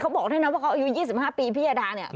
เขาบอกด้วยนะว่าเขาอายุ๒๕ปีพี่อดาร์เนี่ย